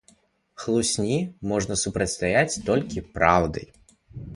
Хлусні можна супрацьстаяць толькі толькі праўдай.